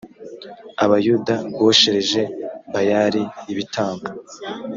abayuda boshereje bayali ibitambo